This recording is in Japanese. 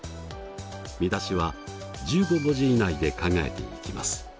見出しは１５文字以内で考えていきます。